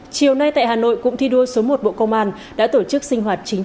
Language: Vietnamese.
chiều nay tại hà nội cũng thi đua số một bộ công an đã tổ chức sinh hoạt triển khai